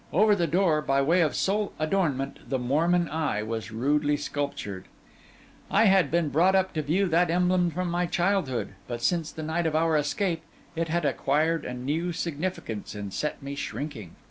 Over the door, by way of sole adornment, the Mormon Eye was rudely sculptured; I had been brought up to view that emblem from my childhood; but since the night of our escape, it had acquired a new significance, and set me shrinking.